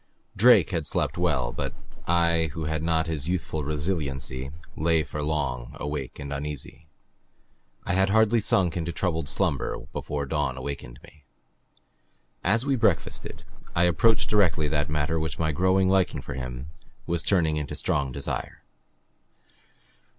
Drake had slept well. But I, who had not his youthful resiliency, lay for long, awake and uneasy. I had hardly sunk into troubled slumber before dawn awakened me. As we breakfasted, I approached directly that matter which my growing liking for him was turning into strong desire.